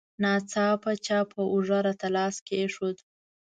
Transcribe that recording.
ناڅاپه چا په اوږه راته لاس کېښود.